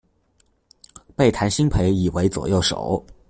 被谭鑫培倚为左右手。